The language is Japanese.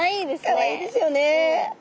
かわいいですよね。